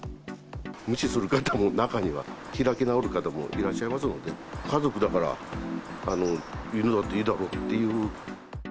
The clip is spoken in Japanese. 無視する方も中には、開き直る方もいらっしゃいますので、家族だから、犬だっていいだろっていう。